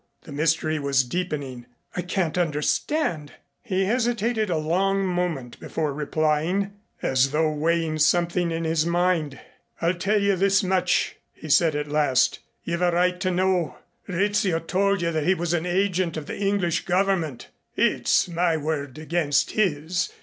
The mystery was deepening. "I can't understand." He hesitated a long moment before replying, as though weighing something in his mind. "I'll tell you this much," he said at last. "You've a right to know. Rizzio told you that he was an agent of the English Government. It's my word against his.